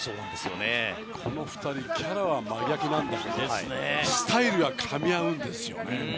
この２人キャラは真逆だけどスタイルがかみ合うんですよね。